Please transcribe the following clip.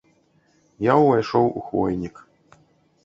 Я ўвайшоў у хвойнік.